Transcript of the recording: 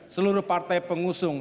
seluruh partai pengusung